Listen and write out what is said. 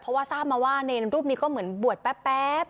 เพราะว่าทราบมาว่าเนรรูปนี้ก็เหมือนบวชแป๊บ